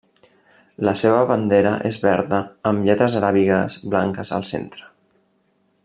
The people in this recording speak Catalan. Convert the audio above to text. La seva bandera és verda amb lletres aràbigues blanques al centre.